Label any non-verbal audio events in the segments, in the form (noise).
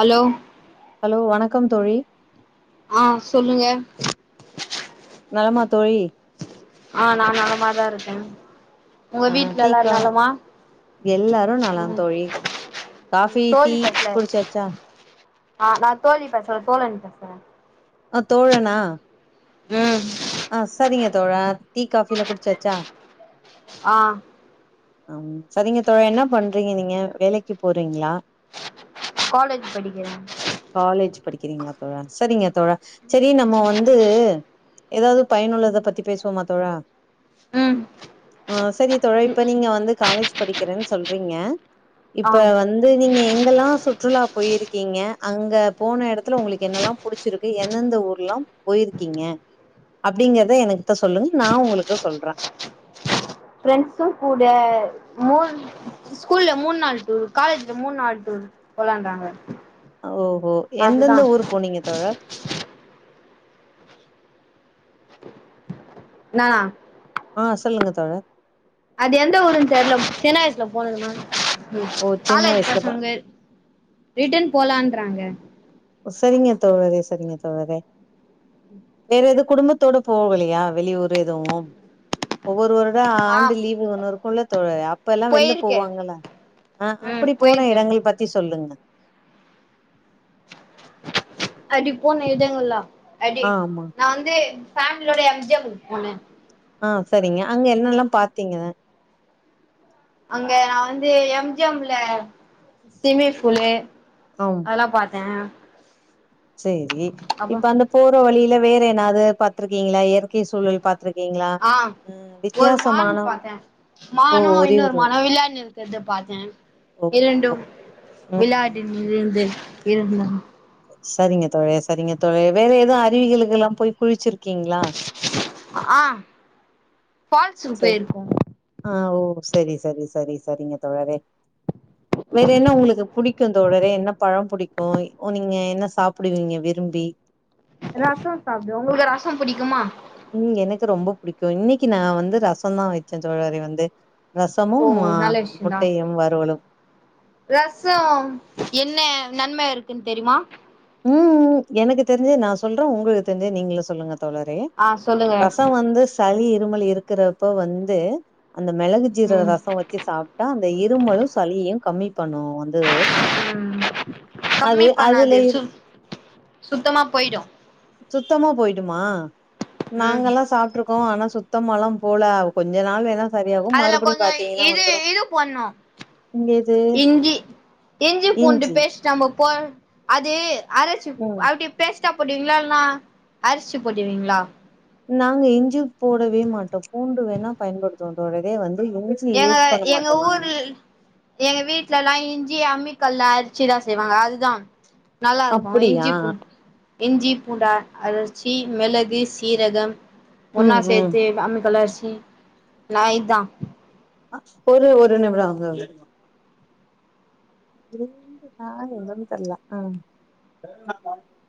Hello hello வணக்கம் தோழி ஆ சொல்லுங்க நலமா தோழி ஆ நா நலமாதா இருக்கே உங்க ஆ வீட்ல எல்லா டீக்கா நலமா எல்லாரு நலம் ம் தோழி ம் காஃபி டீ தோழி பேசல குடிச்சாச்சா ஆ நா நா தோழி பேசல தோழன் பேசற ஆ தோழனா ம் ஆ சரிங்க தோழா டீ காஃபி எல்லா குடிச்சாச்சா ஆ ஆம் சரிங்க தோழா என்ன பண்றீங்க நீங்க வேலைக்கு போறீங்ளா காலேஜ் படிக்கிற காலேஜ் படிக்கிறீங்ளா தோழா சரிங்க தோழா செரி நம்ம வந்து ஏதாவது பயனுள்ளத பத்தி பேசுவோமா தோழா ம் ஆ செரிங்க தோழா இப்ப நீங்க வந்து காலேஜ் படிக்கிறன் சொல்றீங்க ஆ இப்ப வந் து நீங்க எங்கெல்லா சுற்றுலா போயிருக்கீங்க அங்க போன எடத்துல உங்களுக்கு என்னெல்லா புடி ச்சிருக்கு எந்தெந்த ஊர்ல்லா போயிருக்கீங்க அப்டிங்கறத எனக்குத்த சொல்லுங் நா உங்களுக்கு சொல்ற ஃபிரெண்ட்ஸு கூட மூன் ஸ்கூல்ல மூணு நாள் டூரு காலேஜ்ல மூண் நாள் டூரு போலான்றாங்க ஓஹோ அதுதா எந்தெந்த ஊரு போனீங்க தோழர் நா ஆ சொல்லுங்க தோழர் அது எந்த ஊருன் தெர்ல சின்ன வயசுல போனதுமா ம் ஓ சின்ன காலேஜ் வயசுல ப பசங்க ரிட்டன் போலான்றாங்க சரிங்க தோழறே சரிங்க தோழறே வேற எது குடும்பத்தோட போவலையா வெளியூர் எதுவு ஒவ்வொரு வருட ஆ ஆண்டு லீவு ஒண்ணருக்குள்ள தோழரே இப்ப எல்லா வெளில போயிருக்கே போவாங்கள்ள ஆ ம் அப்டி போன போயிருக்கே எடங்கள் பத்தி சொல்லுங்க அடி போனே எடங்கள்ளா அடி ஆ ஆமா நா வந்து ஃபேமிலியோட எம் ஜி எம்க் போன ஆ சரிங்க அங்க என்னெல்லா பாத்தீங்கத அங்க நா வந்து எம் ஜி எம்ல சிம்மிங் ஃபூலு ஆம் அதெல்லா பாத்தே சேரி அப்ப இப்ப அந்த போற வழியில வேற என்னாவது பாத்துருக்கீங்களா இயற்கை சூழல் பாத்துருக் ஆ ஒரு மான் பாத்தே ஓ மானு ஒரே இன்னொரு ஒரு மானு விளையாடின் இருக்கற்த பாத்தே ஓஹோ இரண்டும் ம் ம் விளாட் டின் ம். இருந்து இருந்தன் சரிங்க தோழரே சரிங்க தோழரே வேற எது அருவிகளுக்கெல்லா போய் குளிச்சிருக்கீங்ளா ஆ ஃபால்ஸுக்கு சரி போய்ருக்கோ ஆ ஓ சரி சரி சரி சரிங்க தோழரே வேற என்ன உங்களுக்கு புடிக்கு தோழரோ என்ன பழோ புடிக்கு ஒ நீங்க என்ன சாப்புடுவீங்க விரும்பி ரசோ சாப்டுவே உங்களுக்கு ரசம் புடிக்குமா ம் எனக்கு ரொம்ப புடிக்கு இன்னைக்கு நா வந்து ரச தா வச்சே சோழரே வந்து ரசமு ஓ அ நல்ல முட்டையு வறுவலு ரசம் என்ன நன்ம இருக்குன் தெரியுமா ம் எனக்கு தெரிஞ்சத நா சொல்ற உங்களுக்கு தெரிஞ்சத நீங்களு சொல்லுங்க தோழரே ஆ சொல்லுங்க ரச வந்து சளி இருமல் இருக்கிறப்போ வந்து அந்த மெளகு ஜீரகோ ம் ரசோ வச்சு சாப்ட்டா அந்த இருமலு சளியையு கம்மி பண்ணு வந்து ம் அது கம்மி பண்ணாது அதுல இரு சுத் சுத்தமா போய்டு சுத்தமா போய்ட்டுமா ம் நாங்கல்லா சாப்ட்டுரு க்கோ ஆனா சுத்தமாலா போல கொஞ்ச நாள் வேணா சரியாகும். அதுல மறுபடியும் கொஞ்சோ பாத்தீங்கன்னா இது வந்துரும். இது போட்ணு இங்க இது இஞ்சி இஞ்சி பூண்டு பேஸ்ட் நம்ம போ அது அரைச்சு ம். அப்டி பேஸ்டா போட்வீங்களா இல்னா அரச்சு போட்வீங்களா நாங்க இஞ்சி போடவே மாட்டோ பூண்டு வேணா பயன்படுத்துவோ தோழரே வந்து இஞ் எங்க எங்க ஊர் எங்க வீட்லல்லா இஞ்சிய அம்மிக்கல்ல அரச்சிதா செய்வாங்க அதுதா நல்லாருக்கு அப்படியா? இஞ்சி பூண் இஞ்சி பூண்ட அரச்சி மெளகு சீரக ஒன்னா ம், ம். சேத்து அம்மி கல்லரிச்சு நா இதா தோழி ஒரு நிமிட தோழி இருந்துதா யாரு வந்தன்னு தெர்ல ஆ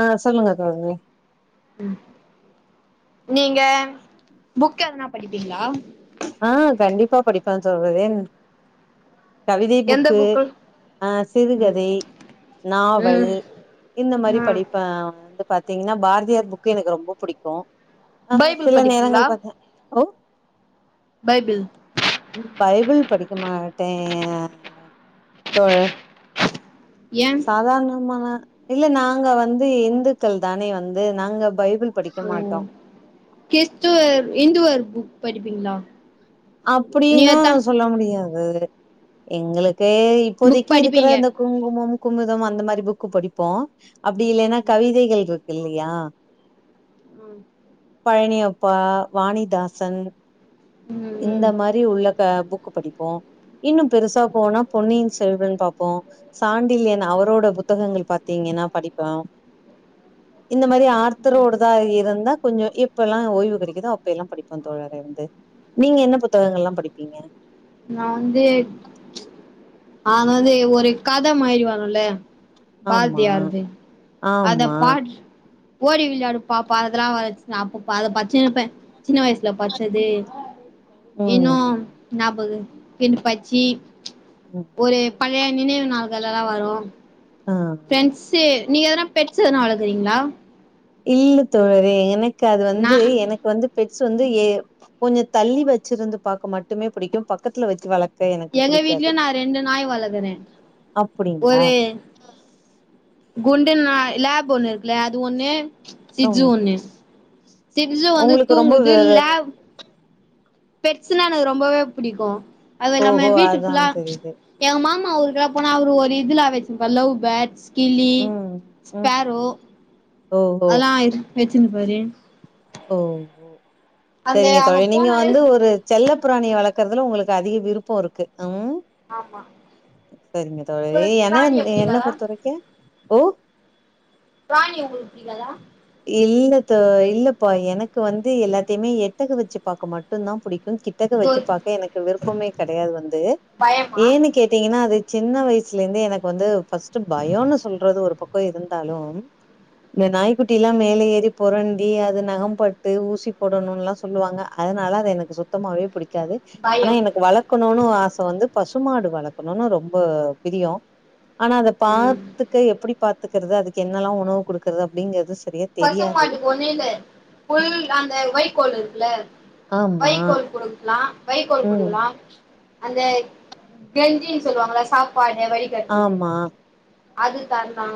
ஆ சொல்லுங்க தோழரே நீங்க புக் எதனா படிப்பீங்களா ஆ கண்டிப்பா படிப்பே தோழரே கவிதை புக்கு ஆ ம் சிறுகதை நாவல் ம் இந்த மாரி ம் படிப்பே வந்து பாத்தீங்கன்னா பாரதியார் புக்கு எனக்கு ரொம்ப புடிக்கு ஆ பைபிள் சில படிப்பீங்களா நேரங்கள் பாத் பைபிள் பைபிள் படிக்க மாட்டே தோழர் ஏ சாதாரணமான இல்ல நாங்க வந்து இந்துக்கள் தானே வந்து நாங்க பைபிள் படிக்க ஓ மாட்டோ கிறிஸ்துவர் இந்துவர் புக் படிப்பீங்களா அப்டின்னு நீங்கத்தா சொல்ல முடியாது எங்களுக்கே புக் இப்போதைக்கி இருக்கிற படிப்பீங்க அந்த குங்குமம் குமுதம் அந்த மாறி புக்கு படிப்போ அப்டி இல்லைன்னா கவிதைகள் இருக்கு இல்லையா ம் பழனியப்பா வாணிதாசன் ம் இந்த ம் மாரி உள்ள க புக்கு படிப்போ இன்னு பெருசா போனா பொன்னின் செல்வன் பாப்போ சாண்டில் என அவரோட புத்தகங்கள் பாத்தீங்கன்னா படிப்பே இந்த மாரி ஆர்த்தரோடதா இருந்தா கொஞ்சோ எப் பெல்லா ஓய்வு கெடைகிதோ அப்பெல்லா படிப்போ தோழரே வந்து நீங்க என்ன புத்தகங்கள்லா படிப்பீங்க நா வந்தே நாங் வந்து ஒரு கத மாரி வருல்ல ஆமா பார்தியார்து அத ஆமா பாட் ஓடி விளையாடு பாப்பா அதெல்லா வரச்சி அப்ப அத பச்சினிறுபே சின்ன வய்ஸ் ல பச்சது இன்னே ம் (unintelligible) பின் பச்சி ம் ஒரு பழைய நினைவு நாள்கள் எல்லா வரு ஆ ஃப்ரெண்ட்ஸு நீங்க எதனா பெட்ஸ் எதனா வளக்குறீங்களா இல்ல தோழரே எனக்கு அது வந்து நான் எனக் கு வந்து பெட்ஸ் வந்து ஏ கொஞ்சோ தள்ளி வச்சிருந்து பாக்க மட்டுமே பிடிக்கு பக்கத்துல வச்சு வளக் எங்க வீட்லயு நா ரெண்டு நாய் வளக்குறே அப்டிங்களா ஒரு குண்டு நாய் லேப் ஒன்னு இருக்குல அது ஒன்னு சி்ட்ஸ் ம் ஒன்னு சிடஸ் வந்து உங்களுக்கு ரொம்ப தூங்குது வெ வெ லே பெட்ஸ்ன்னா எனக்கு ரொம்பவே புடிக்கு அது இல்லாம ஓஹோ வீட்டு அதா ஃபுல்லா தெரியுது எங்க மாமா ஊருக்குல்லா போனா அவரு ஒரு இதுல வச்சிருப்பா லவ் பேட்ஸ் கிளி, ம் ம் ஸ்பரோ ம் ஓஹோ அதல்லா இரு வச்சினுப்பாரு ஓ அந்த சரிங்க அங்க தோழி நீங்க போனாலே வந்து ஒரு செல்லப்பிராணிய வளக்கறதுல உங்களுக்கு அதிக விருப்போ இருக்கு அம் ஆமா சரிங்க தோழி உங்களுக்கு ஏன்னா பிராணிய என்ன பிடிக்காதா பொறுத்த வரைக்கு ஓ பிராணி உங்களுக்கு புடிக்காதா இல்லத்தோ இல்லப்பா எனக்கு வந்து எல்லாத்தயுமே எட்டக வச்சு பாக்க மட்டும்தா புடிக்கு கிட் டக தோ வச்சு பாக்க எனக்கு விருப்பமே கெடையாது வந்து பயமா ஏன்னு கேட்டீங்கன்னா அது சின்ன வயசுல இருந்தே எனக்கு வந்து ஃபஸ்ட்டு பயொனு சொல்றது ஒரு பக்கொ இருந்தாலு இந்த நாய் குட்டில்லா மேல ஏறி புரண்டி அது நகம்பட்டு ஊசி போடணும்லா சொல்லுவாங்க அதனால அது எனக்கு சு சுத்தமாவே புடிக்காதே ஆனா பயம் எனக்கு வளக்கோணோன்னு ஆச வந்து பசுமாடு வளக்கோணோன்னு ரொம்ப பிரியோ ஆனா அத ம் பாத்துக்கே எப்பிடி பாத்துக்கறது அதுக்கு என்னெல்லா உணவு குடுக்குறது அப்பிடிங்க பசு மாட்டுக்கு ஒன்னு யில்லே புல் ம் அந்த வைக்கோள் இருக்குல ஆமா. வைக்கோள் கொடுக்கலா வைக்கோள் ம். கொடுக்கலா அந்த கெஞ்சினு சொல்லுவாங்களா சாப்பாடு வை க்கது ஆமா. (inaudible) அது தர்னோ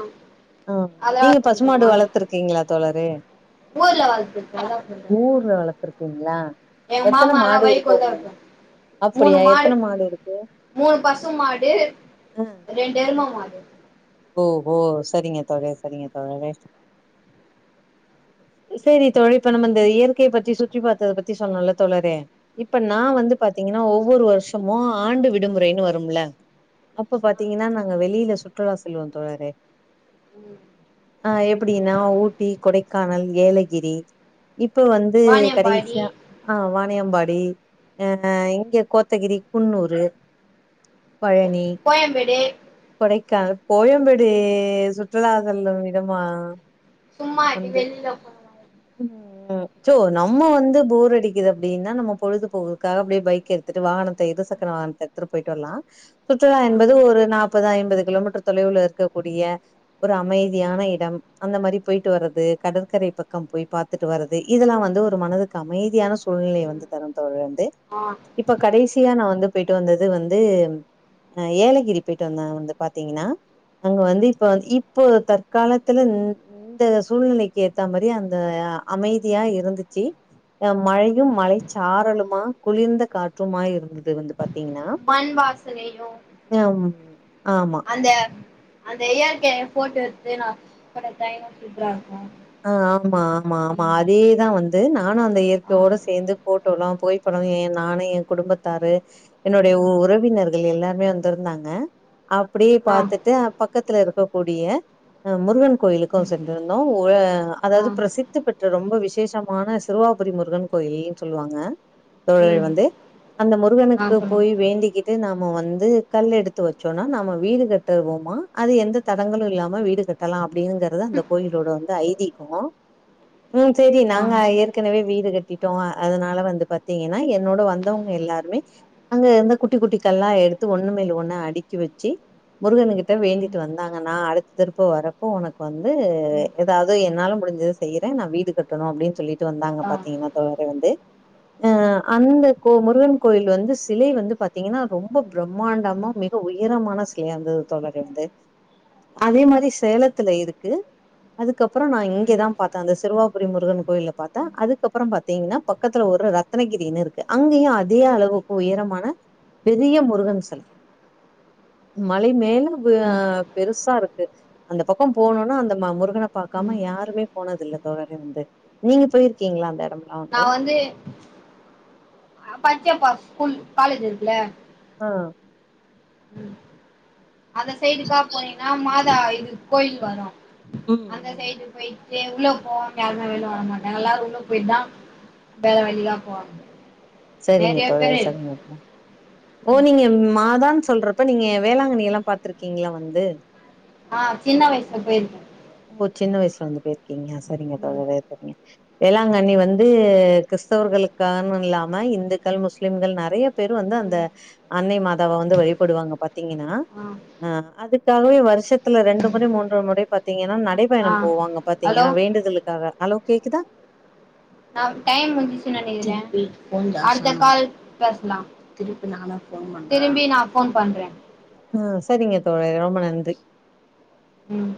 ஆ நீங்க பசுமாடு வளத்திருக்கீங்களா தோழரே ஊர்ல வளத்திர்கே அதா சொல்றே ஊர்ல வளத்திருக்கீங்களா எங்க மாமால வய்கோள்தா வெய்க்கு மூனு அப்படியா மாடு எத்தன இருக்கு? மூனு பசு மாடு ரெண்டு எரும மாடு ஓ ஓ செரிங்க தோழி செரிங்க தோழரே செரி தோழி இப்ப நம்ம இந்த இயற்கை பத்தி சுற்றி பாத்தத பத்தி சொன்னோன்ல்ல தோழரே இப்ப நா ம் வந்து பாத்தீங்கன்னா ஒவ்வொரு வருஷமோ ஆண்டு விடுமுறைன்னு வரும்ல அப்பே பாத்தீங்கன்னா நாங்க வெளியில சுற்றுலா செல்வோ தோழரே ஆ எப்பிடின்னா ஊட்டி, கொடைக்கானல், ஏலகிரி இப்ப வந்து வாணியம்பாடி கடைசியா ஆ வாணியம்பாடி ஆ இங்க கோத்தகிரி, குன்னூரு, பழனி, கோயம்பேடு கொடைக்கான கோயம்பேடு சுற்றுலாதலு விடுமா சும்மா இப்டி வந்து வெளில போனோ ம் சோ நம்ம வந்து போர் அடிக்குது அப்பிடின்னா நம்ம பொழுதுபோவதுக்காக அப்டியே பைக் எடுத் துட்டு வாகனத்த இரு சக்கர வாகனத்த எடுத்துட்டு போயிட்டு வர்லா சுற்றுலா ஆ என்பது ஒரு நா ப்பது ஐம்பது கிலோமீட்டர் தொலைவில இருக்கக்கூடிய ஒரு அமைதியான இடம் அந்த மாரி போயிட்டு வரது கடற்கரை பக்கம் போய் பாத்துட்டு வரது இதெல்லாம் வந்து ஒரு மனதுக்கு அமைதியான சூழ்நிலை ம் வந்து தரும் தோழி வந்து இப்ப கடைசியா நா வந்து போயிட்டு வந்தது வந்து அ ஏலகிரி போயிட்டு வந்தே வந்து பாத்தீங்கன்னா அங்க வந்து இப்ப வந் இப்போ தற்காலத்துல இந்த சூழ்நிலைக்கேத்த மாரி அந்த அமைதியா இருந்துச்சி ஆ மழையு மழை சாரலுமா குளிர்ந்த காற்றுமா இருந்தது வந்து பாத்த மண்வாசனையு ம் ஆமா அந்த அந்த இயற்கைய போட்டோ எடுத்து நா போட்ட டைமு சூப்பரா இருக்கு அ ஆமா ஆமா ஆமா ம் அதே தா வந்து நானு அந்த ஆ இயற்கையோட சேந்து போட்டோல்லா போயி அப்றோ எ நானு எ குடும்பத்தாரு என்னோடைய உ ம் உறவினர்கள் எல்லாருமே வந்திருந்தாங்க அப்படியே ஆ ம் பாத்துட்டு பக்கத்துல இருக்கக்க கூடிய ஆ முருகன் கோயிலுக்கு சென்றிருந்தோ (unintelligible) ஆ அதாவ்து பிரசித்த பெற்ற ரொம்ப விசேஷமான சிறுவாபுரி முருகன் கோயில்ன் சொல்லுவாங்க தோழி ம் வந்து அந்த ஆ முருகனுக்கு சொல்லுங்க போயி வேண்டிக்கிட் டு நாம வந்து கல் எடுத்து வச்சோனா நாம வீடு கட்டுவோமா அது எந்த தடங்களு இல்லாம வீடு கட்ட லா அப்பிடிங்கிறது அந்த கோயிலோட வந்து ஐதீகோ ம் செரி ஆ நாங்க ம் ஏற்கனவே வீடு கட்டிட்டோ அதனால வந்து பாத்தீங்கன்னா என்னோட வந்தவங்கே எல்லாருமே அங்க இருந்த குட்டி குட்டி கல்லா எடுத்து ஒண்ணு மேல ஒண்ணு அடுக்கி வெச்சி முருகனுகிட்ட வேண்டிட்டு ம் வந்தாங்க நா அடுத்த திருப்பு வரப்போ உனக்கு வந்து எதாவ்து என்னால முடிஞ்சத செய்றே நா வீடு கட்டணு அப்டின் சொல்லிட்டு வந்தாங்க ஆ பா்த்தீங்கன்னா தோழரே வந்து அ அந்த கோ முருகன் கோயில் வந்து சிலை வந்து பாத்தீங்கன்னா ரொம்ப ம் பிரம்மாண்டமா மிக உயரமான சிலை அந்த தோழரே வந்து அதே மாரி சேலத்துல இருக்கு அதுக்கப்றோ நா ம் இங்கேதா பாத்தே அந்த சிறுவாபுரி முருகன் கோயில பாத்தே அதுக்கப்றோ பாத் பாத்தீங்கன்னா பக்கத்துல ஒரு ரத்னகிரினு இருக்கு அங்கயு அதே அளவுக்கு உயரமான பெரிய முருகன் சிலை மலை மேல அ பெருசா இருக்கு அந்த பக்கோ போனுனா அந்த ம முரு கன பாக்காம ம் யாருமே போனதில்ல தோழரே வந்து நீங்க போயிருக்கீங்ளா அந்த எடம் நா வந்து பச்சையப்பாஸ் ஸ்கூல் காலேஜ் இருக்குல ஆ ம் அந்த சைடுக்கா போனீங்கன்னா மாதா இது கோயில் வரும் ம், அந்த ம். சைடு போயி ட்டு உள்ள போவாங்க யாருமே வெளில வரமாட்டாங்க எல்லாரு உள்ள போய்ட் தா த வெளில போவாங்க செரிங்க நெறைய தோழி பேரு செரிங்க ஓ நீங்க மாதான்னு சொல்றப்ப நீங்க வேளாங்கண்ணி எல்லா பாத்துருக்கீங்ளா வந்து ஆ சின்ன வயசுல போய்ருக்கே ஓ சின்ன வயசுல வந்து போயிருக்கீங்க சரிங்க ம் தோழரே சரிங்க வேளாங்கண்ணி வந்து கிறிஸ்தவர்களுக்கான இல்லாம இந்துக்கள் முஸ்லிம்கள் நெறைய பேரு வந்து அந்த ம் அன்னை மாதாவா வந்து வழிபடுவாங்க பாத்தீங்கன்னா ஆ அதுக்காகவே வருஷத்துல ரெண்டு முறை மூன்று முறை பாத்தீங்கன்னா நடை ஆ பயணம் போவாங்க ஹலோ பாத்தீங்கன்னா வேண்டுதலுக்காக ஹலோ கேக்குதா அ டைம் முடிஞ்சிச்சு நெனைக்கிறே அடுத்த கால் பேசலா திரும்பி நா ஃபோன் பண்றே ஆ சரிங்க தோழரே ரொம்ப நன்றி ம்